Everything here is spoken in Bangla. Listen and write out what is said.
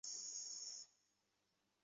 পলি, তুমি আর সলোমন ওর সঙ্গে যাও।